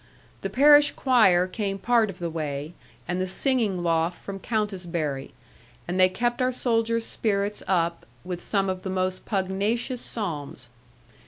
The parish choir came part of the way, and the singing loft from Countisbury; and they kept our soldiers' spirits up with some of the most pugnacious Psalms.